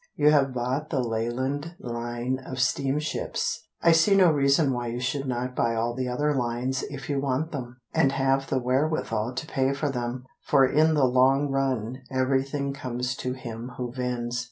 You have bought the Leyland Line of Steamships: I see no reason why you should not buy all the other lines If you want them, and have the wherewithal to pay for them, For in the long run everything comes to him who vends.